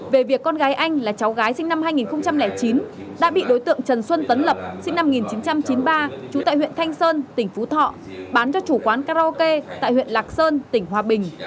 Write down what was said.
về việc con gái anh là cháu gái sinh năm hai nghìn chín đã bị đối tượng trần xuân tấn lập sinh năm một nghìn chín trăm chín mươi ba trú tại huyện thanh sơn tỉnh phú thọ bán cho chủ quán karaoke tại huyện lạc sơn tỉnh hòa bình